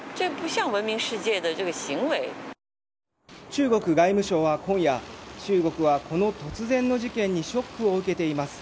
中国外務省は今夜中国はこの突然の事件にショックを受けています。